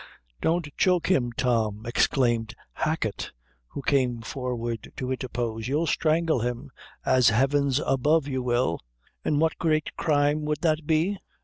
"Don't choke him, Tom," exclaimed Hacket, who came forward, to interpose; "you'll strangle him; as Heaven's above, you will." "An' what great crime would that be?"